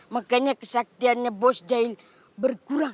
makanya kesaktiannya bos jai berkurang